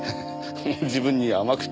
自分に甘くて。